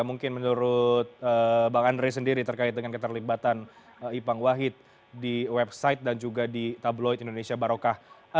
mungkin menurut bang andre sendiri terkait dengan keterlibatan ipang wahid di website dan juga di tabloid indonesia barokah